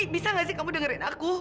bisa gak sih kamu dengerin aku